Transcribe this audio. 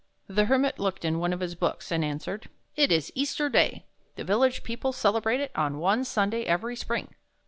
The Hermit looked in one of his books, and answered: "It is Easter Day. The village people celebrate it on one Sunday every spring."